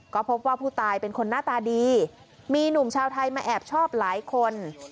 ก็พบว่าผู้ตายเป็นคนหน้าตาดีมีหนุ่มชาวไทยมาแอบชอบหลายคน